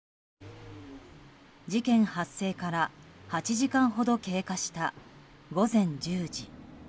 事件発生から８時間ほど経過した午前１０時。